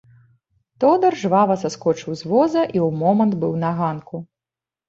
Тодар жвава саскочыў з воза і ў момант быў на ганку.